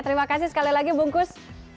terima kasih sekali lagi bungkus